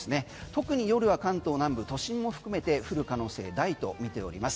特に夜は関東南部、都心も含めて降る可能性大とみております。